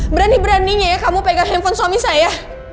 berani beraninya ya kamu pegang handphone suami saya